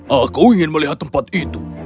aku ingin melihat tempat itu